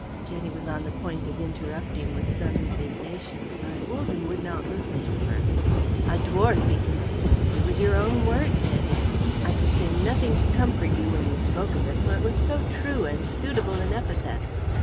Jenny was on the point of interrupting with some indignation, but Wogan would not listen to her. "A dwarf," he continued, "it was your own word, Jenny. I could say nothing to comfort you when you spoke it, for it was so true and suitable an epithet.